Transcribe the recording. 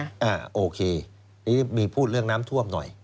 อันนี้มีพูดเรื่องน้ำท่วมหน่อย